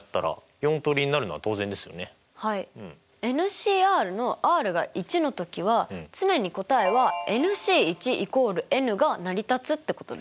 Ｃのｒが１の時は常に答えはＣ＝ｎが成り立つってことです。